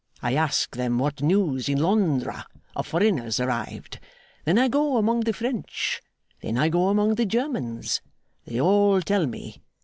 I ask them what news in Londra, of foreigners arrived. Then I go among the French. Then I go among the Germans. They all tell me.